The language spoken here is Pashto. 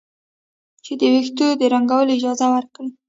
چې د ویښتو د رنګولو اجازه ورکړي.